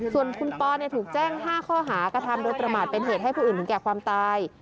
ส่วนคุณปอถูกแจ้ง๕ข้อหากระทำโดยประมาทเป็นเหตุให้ผู้อื่นถึงแก่ความตาย